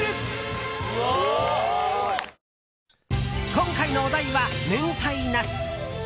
今回のお題は、明太ナス。